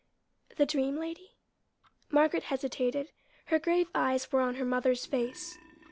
"The dream lady?" Margaret hesitated. Her grave eyes were on her mother's face.